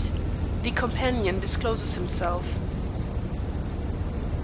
THE COMPANION DISCLOSES HIMSELF.